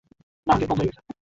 না, গেট বন্ধ হয়ে গেছে।